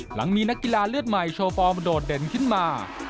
หลังมีนักกีฬาเลือดใหม่โชว์ฟอร์มโดดเด่นขึ้นมา